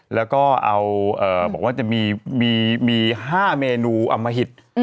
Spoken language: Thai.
และก็บอกจะมีห้าเมนูอมหิต